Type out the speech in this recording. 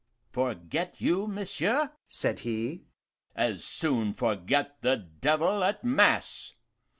"Forget you, monsieur?" said he. "As soon forget the devil at mass!